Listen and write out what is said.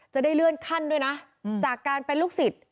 จะได้เลื่อนขั้นด้วยนะจากการเป็นลูกศิษย์